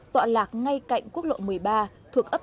tọa lạc ngay cạnh quốc lộ một mươi ba thuộc ấp